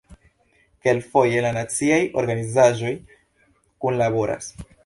Kelkfoje la naciaj organizaĵoj kunlaboras.